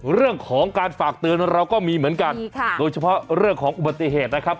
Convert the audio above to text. เรื่องของการฝากเตือนเราก็มีเหมือนกันโดยเฉพาะเรื่องของอุบัติเหตุนะครับ